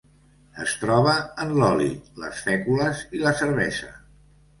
Es troba en l'oli, les fècules i la cervesa.